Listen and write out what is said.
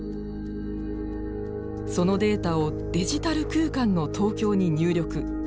そのデータをデジタル空間の東京に入力。